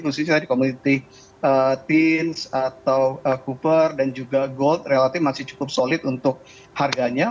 khususnya tadi komoditi teens atau cooper dan juga gold relatif masih cukup solid untuk harganya